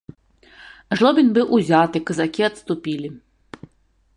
Жлобін быў узяты, казакі адступілі.